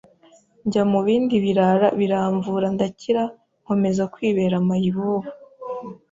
njya mu bindi birara biramvura ndakira nkomeza kwibera mayibobo